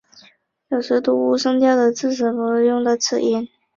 有时读无声调的字词时会使用到此音。